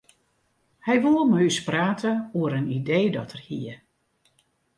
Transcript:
Hy woe mei ús prate oer in idee dat er hie.